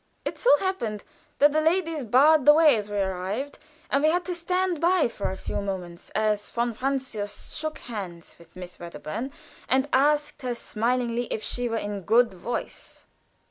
It so happened that the ladies barred the way as we arrived, and we had to stand by for a few moments as von Francius shook hands with Miss Wedderburn, and asked her smilingly if she were in good voice.